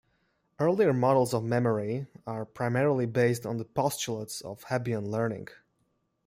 Earlier models of memory are primarily based on the postulates of Hebbian learning.